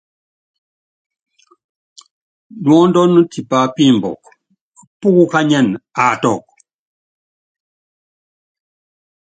Elúkú tipá pimbukɔ, púkukányinɛ aatukɔ.